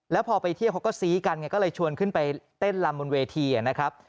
แล้วพอไปเที่ยวเขาก็ซี้กันไงก็เลยชวนขึ้นไปเต้นลำบนเวทีนะครับ